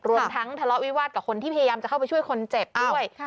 รวมทั้งทะเลาะวิวาสกับคนที่พยายามจะเข้าไปช่วยคนเจ็บด้วย